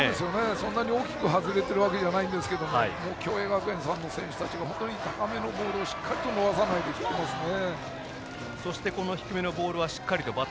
そんなに大きく外れてるわけじゃないんですが共栄学園さんの選手たちが高めのボールをしっかりと逃さないで振っていますね。